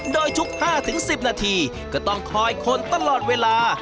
โดยทุก๕๑๐นาทีก็ต้องคอยคนตลอดเวลา